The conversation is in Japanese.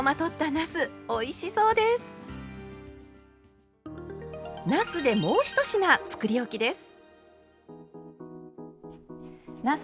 なすでもう１品つくりおきです。